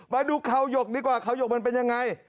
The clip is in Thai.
มาดูเขาหยกดีกว่าเขาหยกมันเป็นยังไง